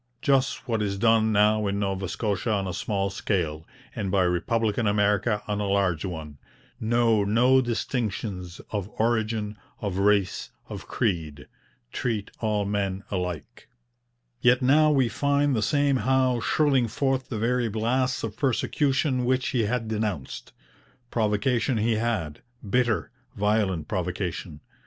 Just what is done now in Nova Scotia on a small scale, and by republican America on a large one: know no distinctions of origin, of race, of creed. Treat all men alike.' Yet now we find the same Howe shrilling forth the very blasts of persecution which he had denounced. Provocation he had bitter, violent provocation.